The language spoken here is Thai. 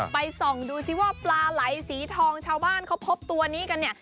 ส่องดูซิว่าปลาไหลสีทองชาวบ้านเขาพบตัวนี้กันเนี่ย